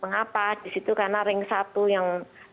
mengapa disitu karena ring satu yang keduanya di sana itu sudah capai